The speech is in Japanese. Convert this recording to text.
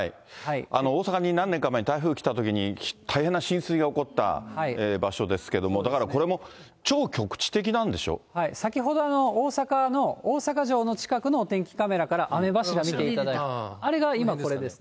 大阪に何年か前、台風来たときに、大変な浸水が起こった場所ですけども、だからこれも、先ほど大阪の、大阪城の近くのお天気カメラから雨柱見ていただきましたが、あれが今、これですね。